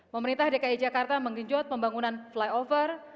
pemerintah dki jakarta menggenjot pembangunan flyover